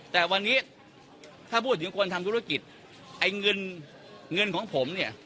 แต่วันนี้ถ้าพูดถึงคนทำธุรกิจไอ้เงินเงินของผมเนี่ย